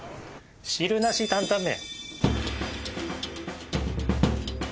汁なし担々麺。